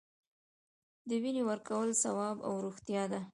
د وینې ورکول ثواب او روغتیا ده